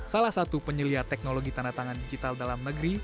salah satu penyelia teknologi tanda tangan digital dalam negeri